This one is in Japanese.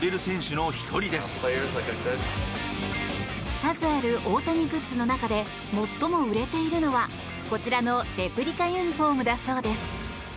数ある大谷グッズの中で最も売れているのはこちらのレプリカユニホームだそうです。